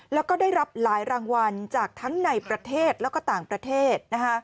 แล้วก็ได้รับหลายรางวัลจากทั้งในประเทศแล้วก็ต่างประเทศ